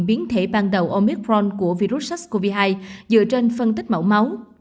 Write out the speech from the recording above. biến thể ban đầu omicron của virus sars cov hai dựa trên phân tích mẫu máu